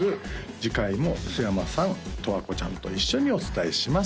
次回も須山さん十和子ちゃんと一緒にお伝えします